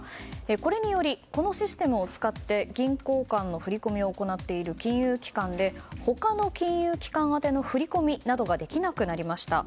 これによりこのシステムを使って銀行間の振り込みを行っている金融機関で他の金融機関宛ての振り込みなどができなくなりました。